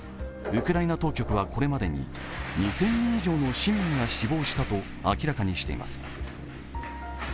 ウクライナ当局はこれまでに２０００人以上の市民が死亡したと明らかにしています。